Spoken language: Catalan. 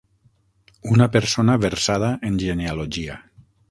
Una persona versada en genealogia.